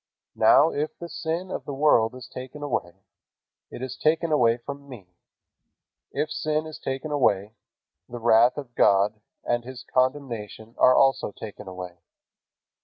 Now if the sin of the world is taken away, it is taken away from me. If sin is taken away, the wrath of God and His condemnation are also taken away.